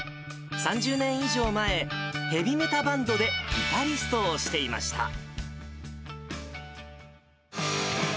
３０年以上前、ヘビメタバンドでギタリストをしていました。